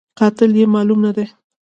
قاتل یې معلوم نه دی